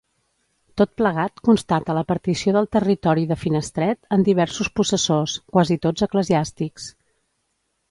Tot plegat constata la partició del territori de Finestret en diversos possessors, quasi tots eclesiàstics.